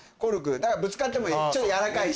だからぶつかってもいいちょっと軟らかいし。